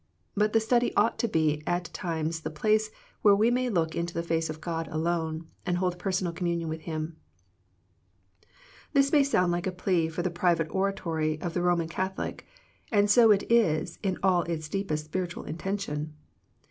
But the study ought to be at times the place where we may look into the face of God alone and hold personal communion with Him. This may sound like a plea for the private oratory of the Eoman Catholic, and so it is in all its deepest spiritual intention.